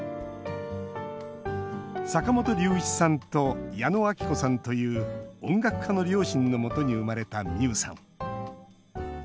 坂本龍一さんと矢野顕子さんという音楽家の両親のもとに生まれた美雨さん。